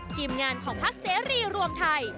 ทีมงานของพักเสรีรวมไทย